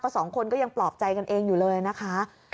สองคนก็ยังปลอบใจกันเองอยู่เลยนะคะ